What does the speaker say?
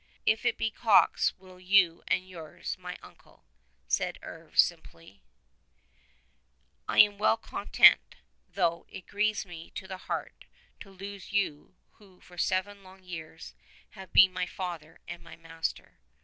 "If it be God's will and yours, my uncle," said Herve simply, "I am well content ; though it grieves me to the heart to lose you who for seven long years have been my father and my master."